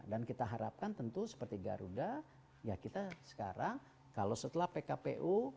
dan kita harapkan tentu seperti garuda ya kita sekarang kalau setelah pkpu